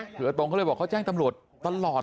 เหลือตรงก็เลยบอกเขาแจ้งตำรวจตลอด